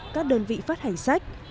các đơn vị phát hành sách